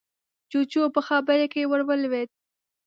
جُوجُو په خبره کې ورولوېد: